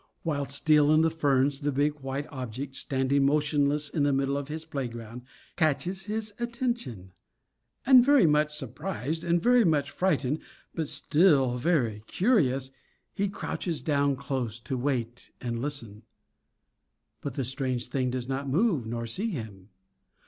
While still in the ferns the big white object, standing motionless in the middle of his playground, catches his attention; and very much surprised, and very much frightened, but still very curious, he crouches down close to wait and listen. But the strange thing does not move nor see him.